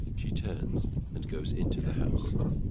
[She turns and goes into the house.